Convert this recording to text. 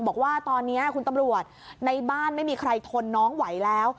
บอกว่าตอนนี้คุณตำรวจในบ้านไม่มีใครทนน้องไหวแล้ว